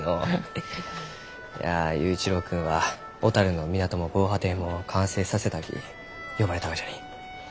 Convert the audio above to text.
いや佑一郎君は小樽の港も防波堤も完成させたき呼ばれたがじゃに。